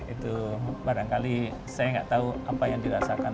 ini merasa sakit akhirnya tidak diteruskan